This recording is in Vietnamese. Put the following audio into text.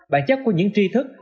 bản chất của những tri thức